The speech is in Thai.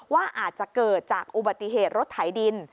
ว่าอาจจะเกิดจากอุบัติเหตุรถไถดิน